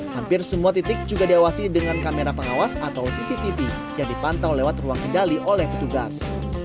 hampir semua titik juga diawasi dengan kamera pengawas atau cctv yang dipantau lewat ruang kendali oleh petugas